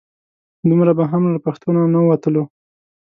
دومره به هم له پښتو نه نه وتلو.